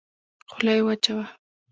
خوله يې وچه وه.